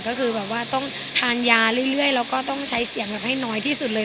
ก็คือแบบว่าต้องทานยาเรื่อยแล้วก็ต้องใช้เสียงแบบให้น้อยที่สุดเลย